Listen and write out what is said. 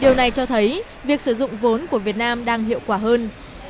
điều này cho thấy việc sử dụng vốn của việt nam đang hiệu quả hơn